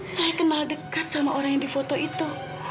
saya kenal dekat sama orang yang di foto itu